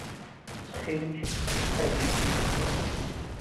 Ttxil-k, af-itt-id.